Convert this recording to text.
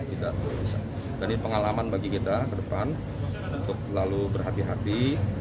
ini pengalaman bagi kita ke depan untuk selalu berhati hati